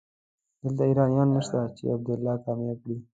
دلته ايرانيان نشته چې عبدالله کامياب کړي.